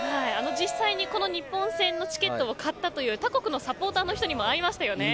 実際に、この日本戦のチケットを買ったという他国のサポーターの人にも会いましたよね。